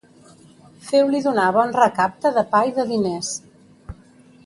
Feu-li donar bon recapte de pa i de diners.